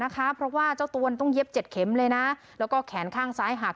เก็บเข็มเลยนะแล้วก็แขนข้างซ้ายหัก